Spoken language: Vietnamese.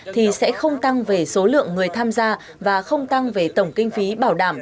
thì sẽ không tăng về số lượng người tham gia và không tăng về tổng kinh phí bảo đảm